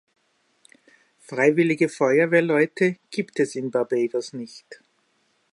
Freiwillige Feuerwehrleute gibt es in Barbados nicht.